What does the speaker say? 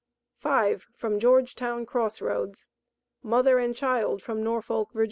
FIVE FROM GEORGETOWN CROSS ROADS. MOTHER AND CHILD FROM NORFOLK, VA.